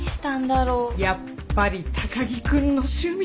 やっぱり高木君の趣味って。